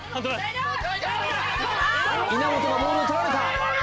稲本がボールを取られた！